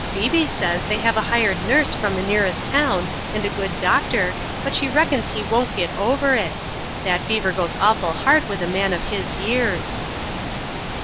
Phoebe says they have a hired nurse from the nearest town and a good doctor, but she reckons he won't get over it. That fever goes awful hard with a man of his years."